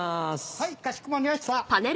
はいかしこまりました。